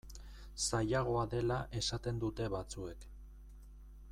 Zailagoa dela esaten dute batzuek.